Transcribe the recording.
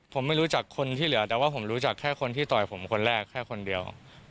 ผมไม่รู้จักคนที่เหลือแต่ว่าผมรู้จักแค่คนที่ต่อยผมคนแรกแค่คนเดียว